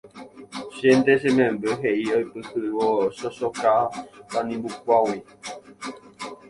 Chénte che memby he'i oipyhývo chochóka tanimbukuágui